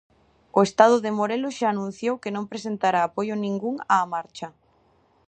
O estado de Morelos xa anunciou que non prestará apoio ningún á Marcha.